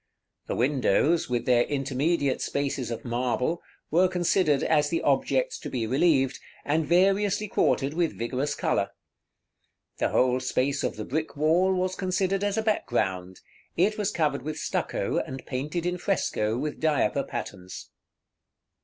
The windows, with their intermediate spaces of marble, were considered as the objects to be relieved, and variously quartered with vigorous color. The whole space of the brick wall was considered as a background; it was covered with stucco, and painted in fresco, with diaper patterns.